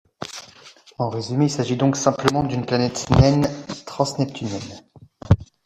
En résumé, il s'agit donc simplement d'une planète naine transneptunienne.